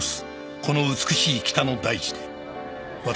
この美しい北の大地で私